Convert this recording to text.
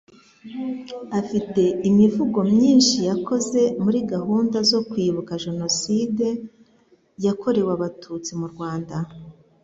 Afite imivugo myinshi yakoze muri gahunda zo Kwibuka Jenoside yakorewe Abatutsi mu Rwanda.